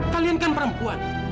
kalian kan perempuan